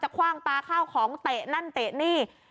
คว่างปลาข้าวของเตะนั่นเตะนี่